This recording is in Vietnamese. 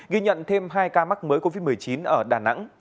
ghi nhận thêm hai ca mắc mới covid một mươi chín ở đà nẵng